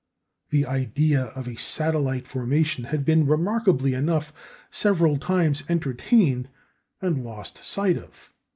This idea of a satellite formation had been, remarkably enough, several times entertained and lost sight of.